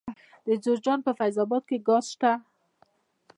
د جوزجان په فیض اباد کې ګاز شته.